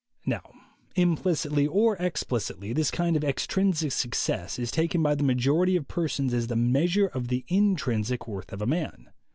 Now implicitly or explicitly, this kind of ex trinsic success is taken by the majority of persons as the measure of the intrinsic worth of a man.